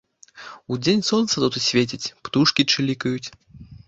Удзень сонца тут свеціць, птушкі чылікаюць.